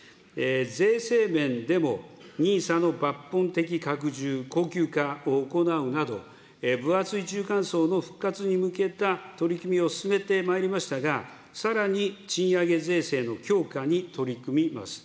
税制面でも、ＮＩＳＡの抜本的拡充、恒久化を行うなど、分厚い中間層の復活に向けた取り組みを進めてまいりましたが、さらに賃上げ税制の強化に取り組みます。